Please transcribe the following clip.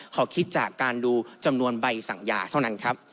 ขอคิดจากการดูจำนวนใบสั่งยาเท่านั้นครับ